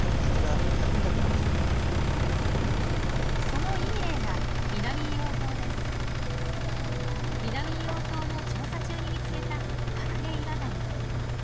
そのいい例が南硫黄島の調査中に見つけたカクレイワガニ。